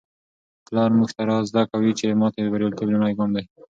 پلار موږ ته را زده کوي چي ماتې د بریالیتوب لومړی ګام دی.